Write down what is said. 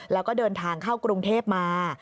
แล้วก็เดินทางเข้ากรุงเทพมา